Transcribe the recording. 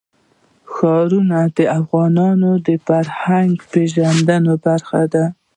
ښارونه د افغانانو د فرهنګي پیژندنې برخه ده.